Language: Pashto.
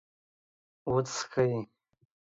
.وڅښئ